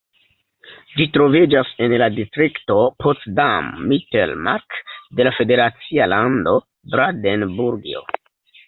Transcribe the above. Ĝi troviĝas en la distrikto Potsdam-Mittelmark de la federacia lando Brandenburgio.